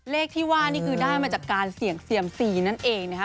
เลขที่ว่านี่คือได้มาจากการเสี่ยงเซียมซีนั่นเองนะคะ